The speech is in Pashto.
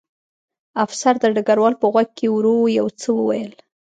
افسر د ډګروال په غوږ کې ورو یو څه وویل